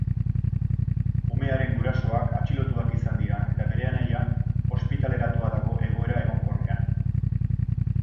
Umearen gurasoak atxilotuak izan dira eta bere anaia ospitaleratuta dago egoera egonkorrean.